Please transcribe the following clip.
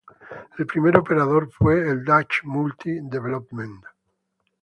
El primer operador fue el Dutch Multi Development.